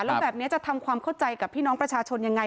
แล้วแบบนี้จะทำความเข้าใจกับพี่น้องประชาชนยังไง